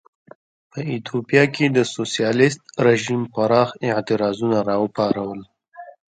په ایتوپیا کې د سوسیالېست رژیم پراخ اعتراضونه را وپارول.